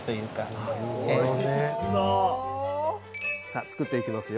さあ作っていきますよ。